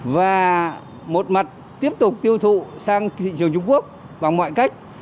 và một mặt tiếp tục tiêu thụ sang thị trường trung quốc bằng mọi cách